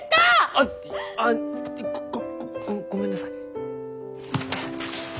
あっあごごごめんなさい。